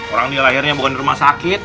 orang ini lahirnya bukan di rumah sakit